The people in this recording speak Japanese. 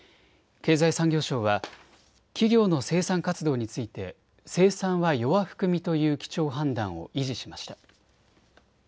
経済産業省は企業の生産活動について生産は弱含みという基調判断を維持しました。